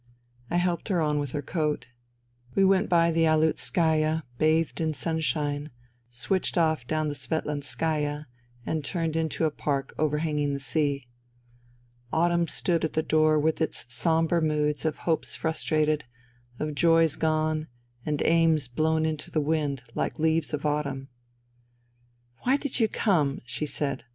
NINA 241 I helped her on with her coat. We went by the Aleutskaya, bathed in sunshine, switched off down the Svetlanskaya and turned into a park overhanging the sea. Autumn stood at the door with its sombre moods of hopes frustrated, of joys gone, and aims blown to the wind, like leaves of autumn. " Why did you come ?" she said.